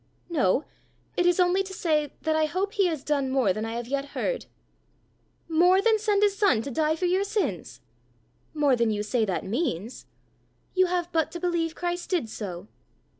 "No; it is only to say that I hope he has done more than I have yet heard." "More than send his son to die for your sins?" "More than you say that means." "You have but to believe Christ did so."